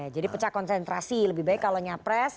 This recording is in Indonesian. jadi pecah konsentrasi lebih baik kalau nyapres